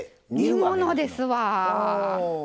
煮物ですわ。